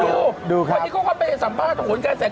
คุณดูวันนี้เขาก็เป็นสัมภาษณ์โหลยการแสดง